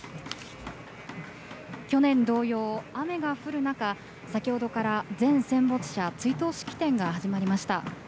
去年同様、雨が降る中先ほどから全戦没者追悼式典が始まりました。